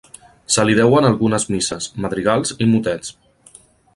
Se li deuen algunes misses, madrigals i motets.